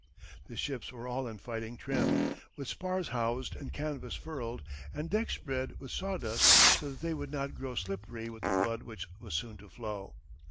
The ships were all in fighting trim, with spars housed and canvas furled, and decks spread with sawdust so that they would not grow slippery with the blood which was soon to flow.